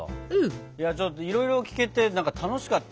いやちょっといろいろ聞けてなんか楽しかった。